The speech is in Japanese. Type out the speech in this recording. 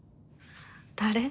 誰？